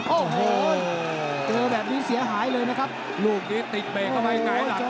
โอ้โหเจอแบบนี้เสียหายเลยนะครับลูกนี้ติดเบรกเข้าไปหงายหลัง